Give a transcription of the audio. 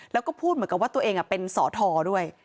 แล้วก็พูดเหมือนกับว่าตัวเองเป็นสอทอด้วย